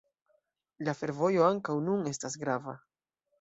La fervojo ankaŭ nun estas grava.